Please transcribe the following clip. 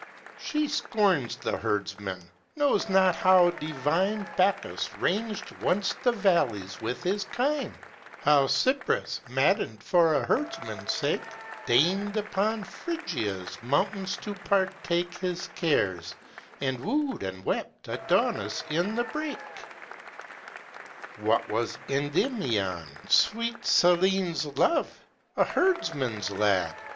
She scorns the herdsman; knows not how divine Bacchus ranged once the valleys with his kine; How Cypris, maddened for a herdsman's sake, Deigned upon Phrygia's mountains to partake His cares: and wooed, and wept, Adonis in the brake. What was Endymion, sweet Selenè's love? A herdsman's lad.